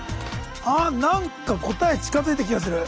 あっ何か答え近づいた気がする！